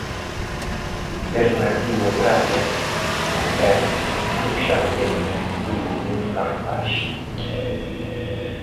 Bernardino Graña conversa con Xan Leira nun momento da rodaxe.